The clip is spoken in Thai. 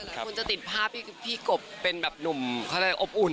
ถึงคุณจะติดภาพผู้ชายพี่กบเป็นนุ่มต้อนากษาอบอุ่น